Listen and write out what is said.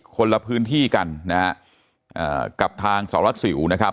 คนละพื้นที่กันนะฮะกับทางสารวัตรสิวนะครับ